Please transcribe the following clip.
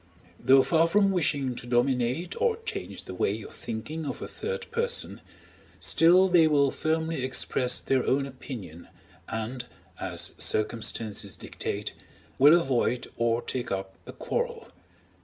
Though far from wishing to dominate or change the way of thinking of a third person, still they will firmly express their own opinion, and, as circumstances dictate, will avoid or take tip a quarrel.